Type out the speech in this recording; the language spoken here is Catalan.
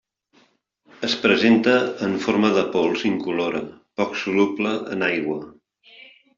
Es presenta en forma de pols incolora poc soluble en aigua.